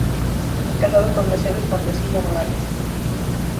Casado con "Mercedes Fontecilla Morales".